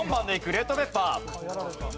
レッドペッパー。